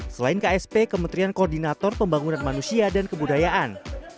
selain ksp kementerian koordinator pembangunan manusia dan kebudayaan